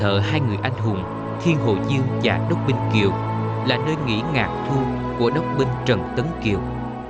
hồ điện đền thợ hai người anh hùng thiên hồ dương và đốc binh kiều là nơi nghỉ ngạc thu của đốc binh trần tấn kiều